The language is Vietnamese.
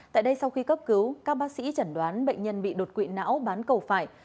tại đây sau khi cấp cứu các bác sĩ chẩn đoán bệnh nhân bị đột quỵ não bán cầu phải